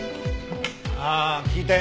ああ聞いたよ。